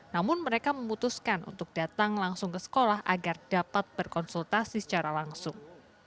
namun mereka memutuskan untuk datang langsung ke sekolah agar dapat berkonsultasi secara langsung